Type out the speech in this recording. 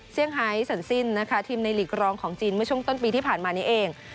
ไฮสันซินนะคะทีมในหลีกรองของจีนเมื่อช่วงต้นปีที่ผ่านมานี้เอง